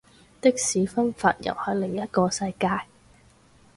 的士分法又係另一個世界